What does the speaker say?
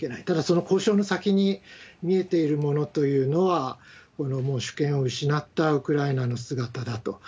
ただ、その交渉の先に見えているものというのは、もう主権を失ったウクライナの姿だと。